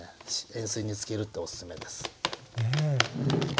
塩水につけるっておすすめです。